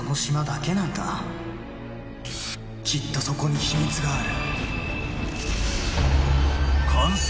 きっとそこに秘密がある。